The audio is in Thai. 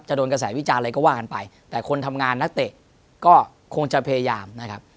โดนกระแสวิจารณ์อะไรก็ว่ากันไปแต่คนทำงานนักเตะก็คงจะพยายามนะครับ